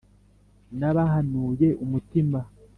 Nabahanuye umutima